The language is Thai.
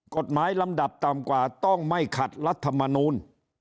ลำดับต่ำกว่าต้องไม่ขัดรัฐมนูล